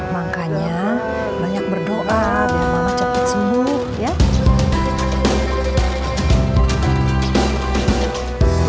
makanya banyak berdoa biar mama cepat sembuh